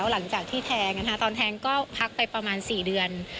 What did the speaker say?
หลังจากที่แทงตอนแทงก็พักไปประมาณ๔เดือน